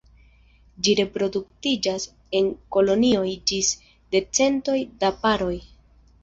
Ĝi reproduktiĝas en kolonioj ĝis de centoj da paroj.